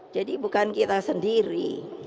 jadi bukan kita sendiri